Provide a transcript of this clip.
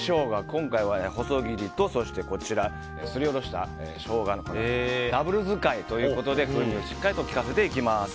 今回は細切りとそして、すりおろしたショウガのダブル使いということで風味をしっかりと効かせていきます。